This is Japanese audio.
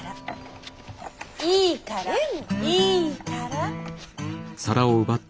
いいから。